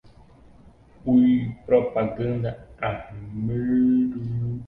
Propaganda Armada